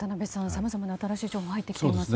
さまざまな新しい情報が入ってきていますが。